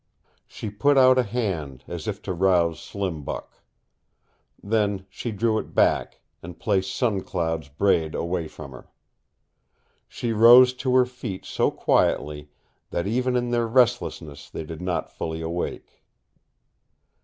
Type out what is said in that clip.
She put out a hand, as if to rouse Slim Buck. Then she drew it back, and placed Sun Cloud's braid away from her. She rose to her feet so quietly that even in their restlessness they did not fully awake.